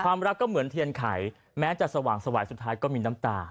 รักก็เหมือนเทียนไข่แม้จะสว่างสวายสุดท้ายก็มีน้ำตา